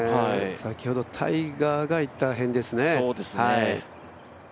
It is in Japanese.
先ほどタイガーがいった辺ですね。